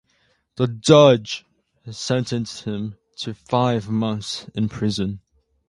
The judge sentenced him to five months in prison.